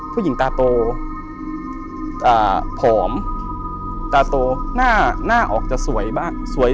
ตาโตผอมตาโตหน้าออกจะสวยบ้างสวย